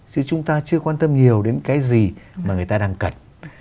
chứ chúng ta chưa quan tâm nhiều đến cái gì mà người ta đang cần